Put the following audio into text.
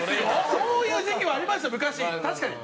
そういう時期はありました昔確かに。